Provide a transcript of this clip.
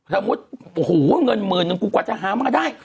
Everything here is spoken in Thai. สมมุติโอ้โหเงินหมื่นหนึ่งกูกว่าจะหามาได้